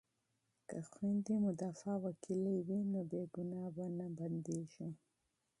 که خویندې مدافع وکیلې وي نو بې ګناه به نه بندیږي.